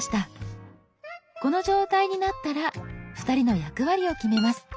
この状態になったら２人の役割を決めます。